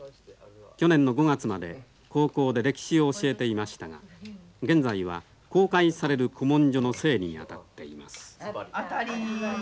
去年の５月まで高校で歴史を教えていましたが現在は公開される古文書の整理に当たっています。